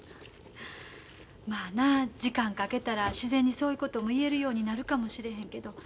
まあな時間かけたら自然にそういうことも言えるようになるかもしれへんけど。